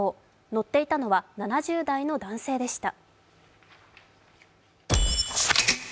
載っていたのは７０代の男性でした。